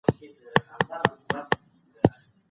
موږ د يوې هوسا ټولنې غوښتونکي يو.